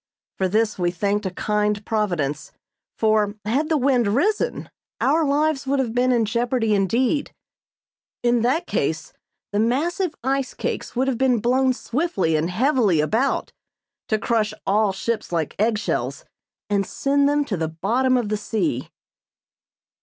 For this we thanked a kind Providence, for, had the wind risen, our lives would have been in jeopardy indeed. In that case the massive ice cakes would have been blown swiftly and heavily about to crush all ships like egg shells and send them to the bottom of the sea.